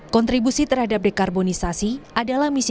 kontribusi terhadap dekarbonisasi adalah misi